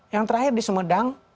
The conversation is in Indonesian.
yang terakhir di semedang